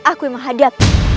aku yang menghadapi